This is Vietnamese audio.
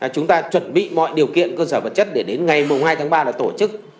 chúng ta chuẩn bị mọi điều kiện cơ sở vật chất để đến ngày hai tháng ba là tổ chức